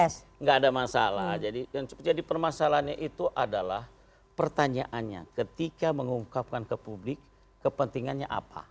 sangat mungkin jadi enggak ada masalah jadi permasalahannya itu adalah pertanyaannya ketika mengungkapkan ke publik kepentingannya apa